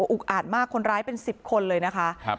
อุกอาดมากคนร้ายเป็น๑๐คนเลยนะคะ